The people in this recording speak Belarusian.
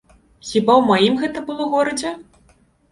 Хіба ў маім гэта было горадзе?